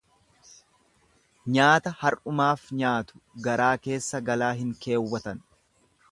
Nyaata har'umaaf nyaatu, garaa keessa galaa hin keewwatan.